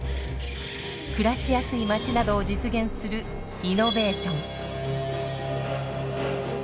暮らしやすい街などを実現するイノベーション。